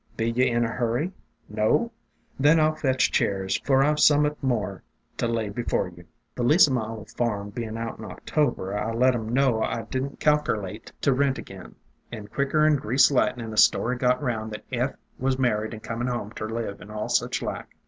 . i . Be you in a hurry? No? Then I '11 fetch chairs, for I 've some 'at more to lay before you. "The lease o' my old farm bein' out in October, I let 'em know I did n't calkerlate to rent again, and quicker 'n greased lightnin' a story got around that Eph was married and comin' home ter live, and all such like.